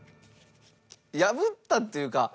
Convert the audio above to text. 破ったっていうか。